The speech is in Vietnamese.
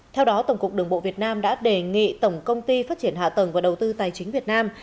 theo đó tổng cục đường bộ việt nam đã đề nghị tổng công ty phát triển hạ tầng và đầu tư tài chính việt nam